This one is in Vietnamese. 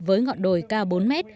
với ngọn đồi cao bốn m